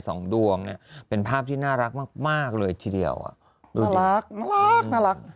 สองดวงเป็นภาพที่น่ารักมากเลยที่เดียวน่ารักน่ารัก